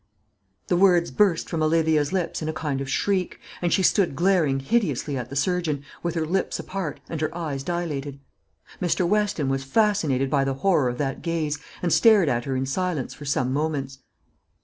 The words burst from Olivia's lips in a kind of shriek, and she stood glaring hideously at the surgeon, with her lips apart and her eyes dilated. Mr. Weston was fascinated by the horror of that gaze, and stared at her in silence for some moments.